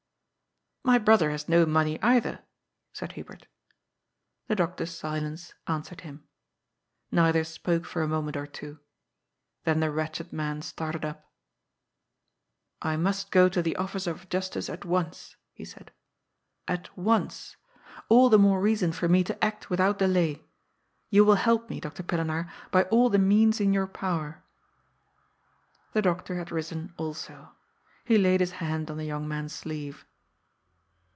" My brother has no money either," said Hubert. The doctor's silence answered him. Neither spoke for a moment or two. Then the wretched man started up. '' I must go to the ' Officer of Justice ' at once," he said. ''At once. All the more reason for me to act without delay. You will help me, Dr. Pillenaar, by all the means in your power." The doctor had risen also. He laid his hand on the young man's sleeve.